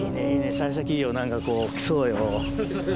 幸先いいよ何かこうきそうよ。